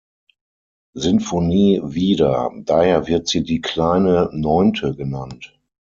Sinfonie wieder, daher wird sie die "Kleine Neunte" genannt.